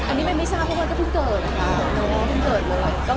อันนี้แม่นไม่ทราบเมื่อก็เมื่อเพิ่งเกิดนะค่ะ